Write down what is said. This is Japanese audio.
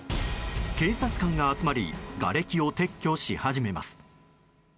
警察官が集まりがれきを撤去し始めます。